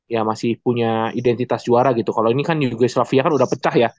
ya masih punya identitas juara gitu kalau ini kan yugoslavia kan udah pecah ya